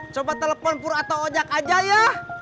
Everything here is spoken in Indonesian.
coba telepon pura atau ojak aja ya